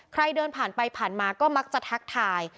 ใครเดินผ่านไปผ่านมาก็มักจะทักทาย